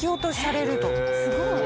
すごい。